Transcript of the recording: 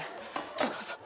お母さん。